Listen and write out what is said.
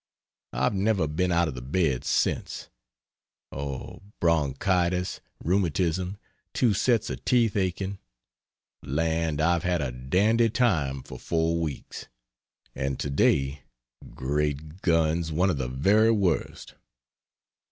I've never been out of the bed since oh, bronchitis, rheumatism, two sets of teeth aching, land, I've had a dandy time for 4 weeks. And to day great guns, one of the very worst!...